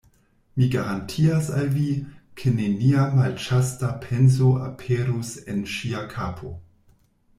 Mi garantias al vi, ke nenia malĉasta penso aperus en ŝia kapo...